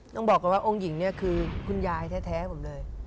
ต้องบอกก่อนว่าองค์หญิงเนี่ยคือคุณยายแท้ผมเลย